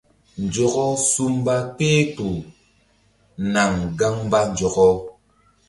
Nzɔkɔ su mba kpehkpuh naŋ gaŋ mba nzɔkɔ.